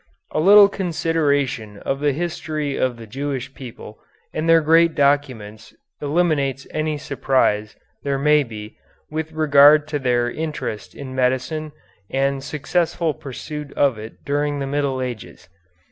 A little consideration of the history of the Jewish people and their great documents eliminates any surprise there may be with regard to their interest in medicine and successful pursuit of it during the Middle Ages.